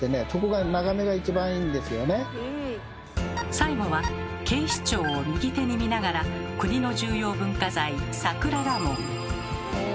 最後は警視庁を右手に見ながら国の重要文化財桜田門。